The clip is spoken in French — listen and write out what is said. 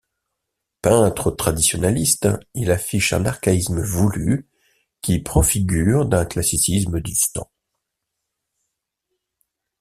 Peintre traditionaliste, il affiche un archaïsme voulu qui prend figure d'un classicisme distant.